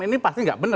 ini pasti tidak benar